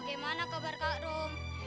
bagaimana kabar kak rum